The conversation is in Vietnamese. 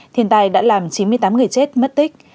thiên tai đã làm chín mươi tám người chết mất tích